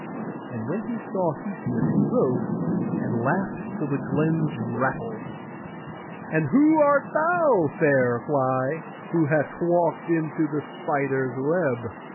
And when he saw Theseus he rose, and laughed till the glens rattled. 'And who art thou, fair fly, who hast walked into the spider's web?